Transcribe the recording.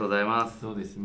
そうですね。